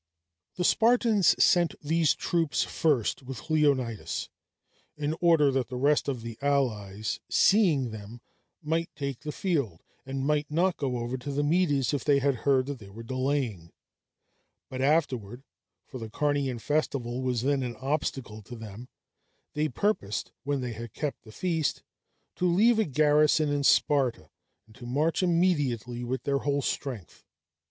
The Spartans sent these troops first with Leonidas, in order that the rest of the allies, seeing them, might take the field, and might not go over to the Medes if they heard that they were delaying; but afterward for the Carnean festival was then an obstacle to them they purposed, when they had kept the feast, to leave a garrison in Sparta and to march immediately with their whole strength.